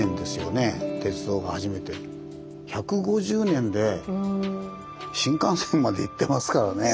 １５０年で新幹線までいってますからね。